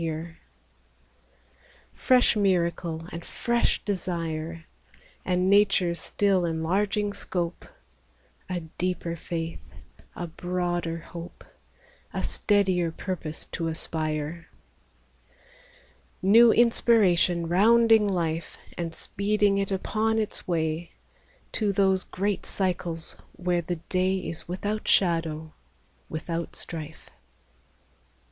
li 30 EASTER CAROLS Fresh miracle and fresh desire, And nature's still enlarging scope, A deeper faith, a broader hope, A steadier purpose to aspire ; New inspiration rounding life, And speeding it upon its way, To those great cycles where the day Is without shadow, without strife.